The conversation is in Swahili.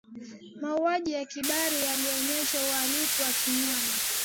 mauaji ya kimbari yalionyesha uhalifu wa kinyama